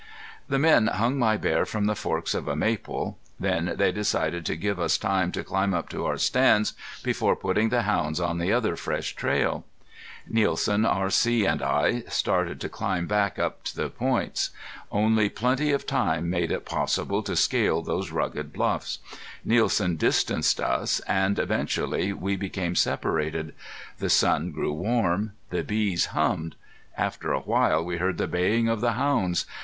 The men hung my bear from the forks of a maple. Then they decided to give us time to climb up to our stands before putting the hounds on the other fresh trail. Nielsen, R.C., and I started to climb back up to the points. Only plenty of time made it possible to scale those rugged bluffs. Nielsen distanced us, and eventually we became separated. The sun grew warm. The bees hummed. After a while we heard the baying of the hounds.